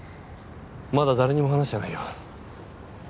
まだ誰にも話してないよ。